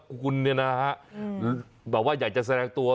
คุณเนี่ยนะฮะแบบว่าอยากจะแสดงตัว